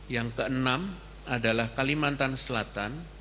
yang keenam adalah kalimantan selatan